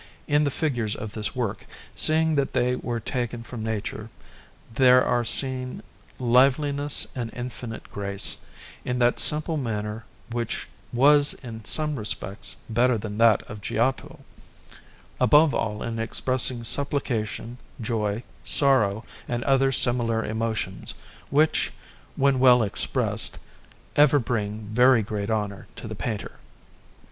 In the figures of this work, seeing that they were taken from nature, there are seen liveliness and infinite grace, in that simple manner which was in some respects better than that of Giotto, above all in expressing supplication, joy, sorrow, and other similar emotions, which, when well expressed, ever bring very great honour to the painter.